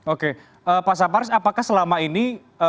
oke pak saparis apakah selama ini